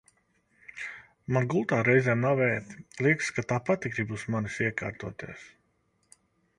Man gultā reizēm nav ērti, liekas, ka tā pati grib uz manis iekārtoties.